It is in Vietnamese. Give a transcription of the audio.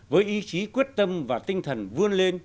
với ý chí quyết tâm và tinh thần vươn lên